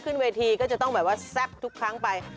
ขึ้นเวทีก็จะต้องแบบว่าแซ่บทุกครั้งไป